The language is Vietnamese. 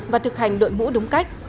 và thực hành đội mũ đúng cách